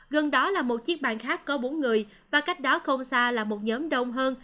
gần đó là một chiếc bàn khác có bốn người và cách đó không xa là một nhóm đông hơn